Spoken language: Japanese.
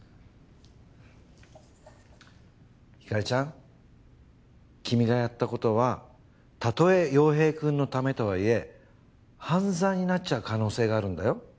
ひかりちゃん君がやったことはたとえ陽平くんのためとはいえ犯罪になっちゃう可能性があるんだよ。